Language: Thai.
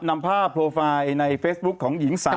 นำภาพโปรไฟล์ในเฟซบุ๊คของหญิงสาว